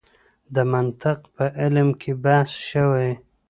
د منطق په علم کې بحث شوی.